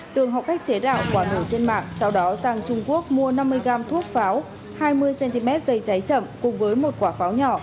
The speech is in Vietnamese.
tường học cách chế đạo quả nổ trên mạng sau đó sang trung quốc mua năm mươi gram thuốc pháo hai mươi cm dây cháy chậm cùng với một quả pháo nhỏ